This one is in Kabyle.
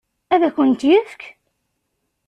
Ad akent-t-yefk?